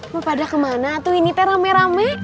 mau pada kemana tuh ini teh rame rame